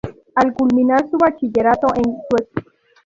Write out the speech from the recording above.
Al culminar su bachillerato en economía, se mudó a Lima.